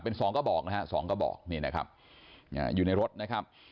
เป็นสองกระบอกนะฮะสองกระบอกนี่นะครับอยู่ในรถนะครับ